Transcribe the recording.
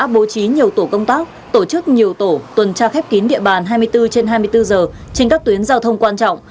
bố trí nhiều tổ công tác tổ chức nhiều tổ tuần tra khép kín địa bàn hai mươi bốn trên hai mươi bốn giờ trên các tuyến giao thông quan trọng